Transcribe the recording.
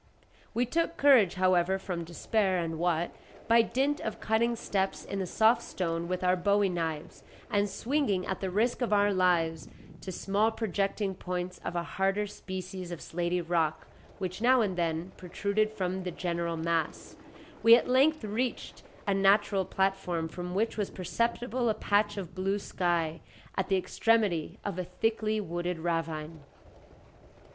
We took courage, however, from despair, and what, by dint of cutting steps in the soft stone with our bowie knives, and swinging at the risk of our lives, to small projecting points of a harder species of slaty rock which now and then protruded from the general mass, we at length reached a natural platform, from which was perceptible a patch of blue sky, at the extremity of a thickly wooded ravine.